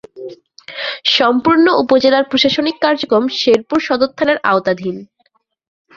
সম্পূর্ণ উপজেলার প্রশাসনিক কার্যক্রম শেরপুর সদর থানার আওতাধীন।